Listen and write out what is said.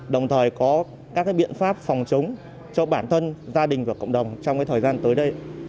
đồng thời có các biện pháp phòng chống cho bản thân gia đình và cộng đồng trong thời gian tới đây